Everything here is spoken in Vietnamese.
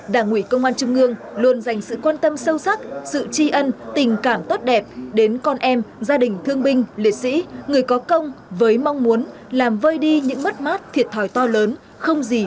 đảng ủy công an trung ương luôn dành sự quan tâm sâu sắc sự chi ân tình cảm tốt đẹp đến con em gia đình thương binh liệt sĩ người có công